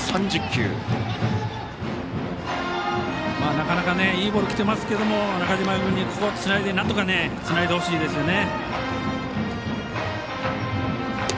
なかなかいいボールきてますけど中嶋君、ここなんとか、つないでほしいですね。